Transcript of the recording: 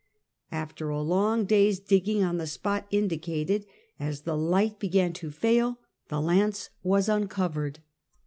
After a long day's digging on the spot indicated, as the light began to fail, the Lance was uncovered.